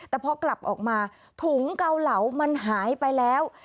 แต่พอกลับออกมาถุงเกาเหลามันหายไปแล้ว